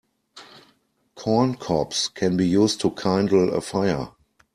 Corn cobs can be used to kindle a fire.